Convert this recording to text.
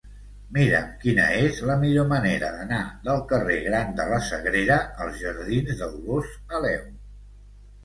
Mira'm quina és la millor manera d'anar del carrer Gran de la Sagrera als jardins de Dolors Aleu.